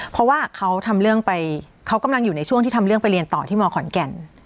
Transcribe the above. เพราะว่าเขากำลังอยู่ในช่วงที่ทำเรื่องไปเรียนต่อที่หมอขอนแก่น